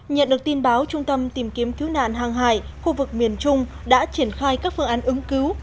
nhận được tin báo trung tâm tìm kiếm cứu nạn hàng hải khu vực miền trung đã triển khai các phương án ứng cứu